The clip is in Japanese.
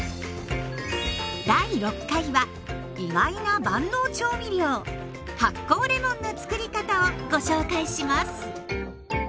第６回は意外な万能調味料発酵レモンのつくり方をご紹介します。